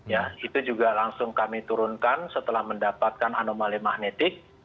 ya itu juga langsung kami turunkan setelah mendapatkan anomali magnetik